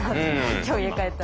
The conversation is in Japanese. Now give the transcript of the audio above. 今日家帰ったら。